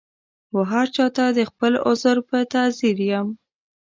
وهرچا ته د خپل عذر په تعذیر یم